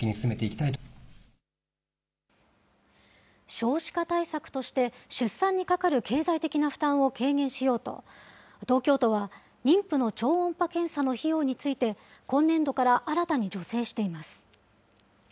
少子化対策として出産にかかる経済的な負担を軽減しようと、東京都は、妊婦の超音波検査の費用について今年度から新たに助成しています。